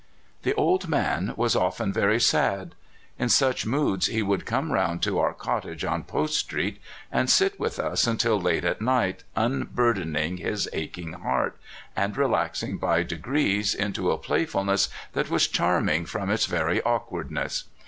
The old man was often very sad. In such moods he would come round to our cottage on Post street, and sit with us until late at night, unburdening his aching heart, and relaxing by degrees into a playfulness that was charming from its very awk wardness.